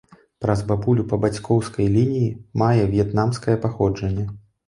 Праз бабулю па бацькоўскай лініі мае в'етнамскае паходжанне.